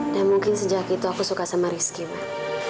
dan mungkin sejak itu aku suka sama rizky man